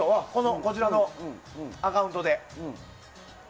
こちらのアカウントで。